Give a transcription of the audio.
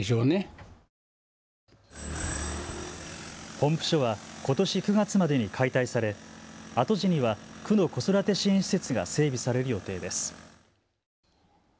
ポンプ所はことし９月までに解体され跡地には区の子育て支援施設が整備される予定です。